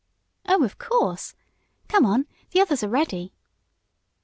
"Oh, of course. Come on, the others are ready."